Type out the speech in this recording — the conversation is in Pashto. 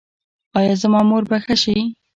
ایا زما مور به ښه شي؟